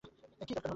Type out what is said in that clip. কি দরকার বল?